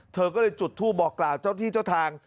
เธอก็เลยจุดทูปบอกกล่าวเจ้าที่เจ้าทาง